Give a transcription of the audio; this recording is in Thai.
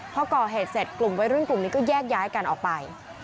พอก่อเหตุเสร็จกลุ่มวัยรุ่นกลุ่มนี้ก็แยกย้ายกันออกไป